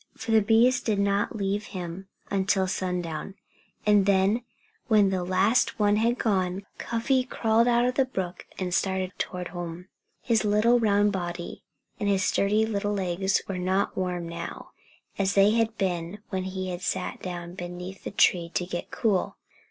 For the bees did not leave him until sundown. And then, when the last one had gone, Cuffy crawled out of the brook and started toward home. His little round body and his sturdy little legs were not warm now, as they had been when he sat down beneath the tree to get cool.